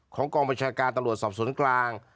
ของกองบัญชาการตลวดสอบสวนกลาง